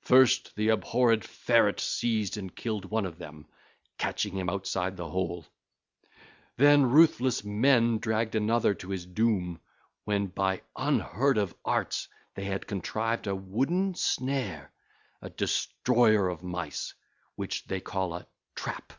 First the abhorred ferret seized and killed one of them, catching him outside the hole; then ruthless men dragged another to his doom when by unheard of arts they had contrived a wooden snare, a destroyer of Mice, which they call a trap.